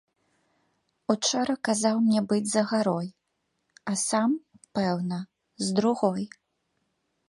Учора казаў мне быць за гарой, а сам, пэўна, з другой.